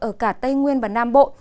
ở cả tây nguyên và nam bộ